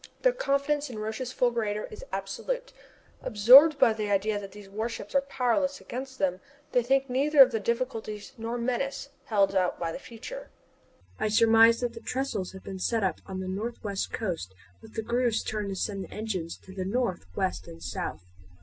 Their confidence in Roch's fulgurator is absolute. Absorbed by the idea that these warship are powerless against them, they think neither of the difficulties nor menaces held out by the future. I surmise that the trestles have been set up on the northwest coast with the grooves turned to send the engines to the north, west, and south.